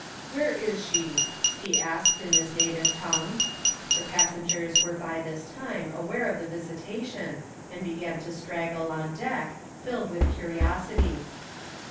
"Where is she?" he asked in his native tongue. The passengers were by this time aware of the visitation, and began to straggle on deck, filled with curiosity.